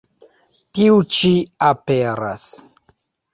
Tiu ĉi aperas.